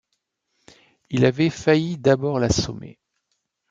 Il avait failli d’abord l’assommer.